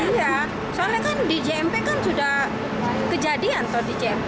iya soalnya kan di jmp kan sudah kejadian tuh di cmp